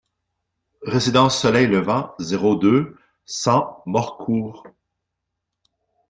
Résidence Soleil Levant, zéro deux, cent Morcourt